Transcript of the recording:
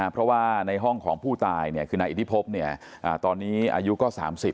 เพราะว่าในห้องของผู้ตายคือนายอิทธิพบตอนนี้อายุก็๓๐